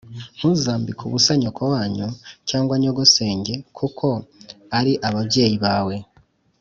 Ntuzambike ubusa nyoko wanyu cyangwa nyogosenge kuko ari ababyeyi bawe